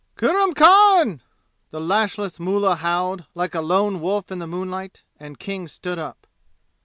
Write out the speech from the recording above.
"Kurram Khan!" the lashless mullah howled, like a lone wolf in the moonlight, and King stood up.